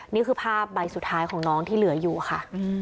นี่คือภาพใบสุดท้ายของน้องที่เหลืออยู่ค่ะ